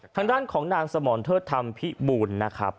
ทางด้านของนางสมรเทิดธรรมพิบูลนะครับ